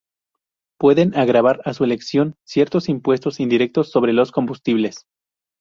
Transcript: Pueden gravar a su elección ciertos impuestos indirectos sobre los combustibles.